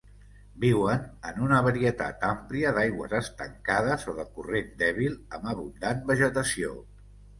Viuen en una varietat àmplia d'aigües estancades o de corrent dèbil amb abundant vegetació.